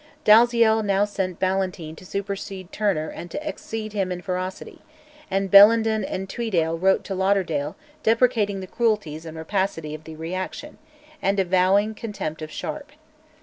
Dalziel now sent Ballantyne to supersede Turner and to exceed him in ferocity; and Bellenden and Tweeddale wrote to Lauderdale deprecating the cruelties and rapacity of the reaction, and avowing contempt of Sharp.